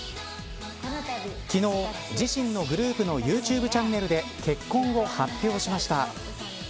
昨日、自身のグループのユーチューブチャンネルで結婚を発表しました。